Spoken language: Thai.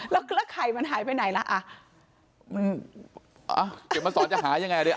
แล้วไข่มันหายไปไหนล่ะ